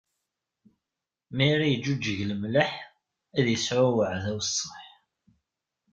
Mi ara iǧǧuǧeg lemleḥ, ad isɛu uɛdaw ṣṣeḥ.